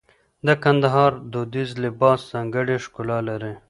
د کندهار دودیز لباس ځانګړی ښکلا لري.